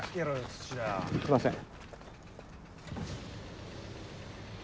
すいません。